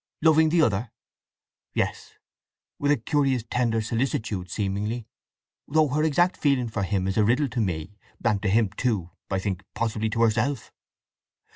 "Loving the other?" "Yes; with a curious tender solicitude seemingly; though her exact feeling for him is a riddle to me—and to him too, I think—possibly to herself.